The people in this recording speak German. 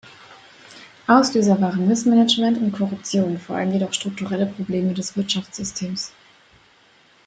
Auslöser waren Missmanagement und Korruption, vor allem jedoch strukturelle Probleme des Wirtschaftssystems.